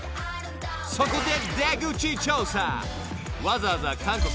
［そこで］